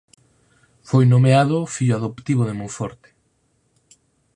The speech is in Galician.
Foi nomeado fillo adoptivo de Monforte.